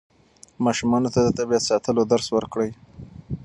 ماشومانو ته د طبیعت ساتلو درس ورکړئ.